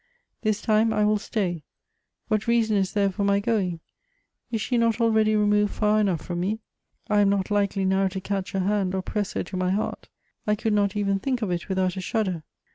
This time I will stay : what reason is there for my going ; is s!m not already rem;)ve.l far enough from me ? I am not likely now to catch her hand or press her to my heart ; I could not even think of it without a shudder.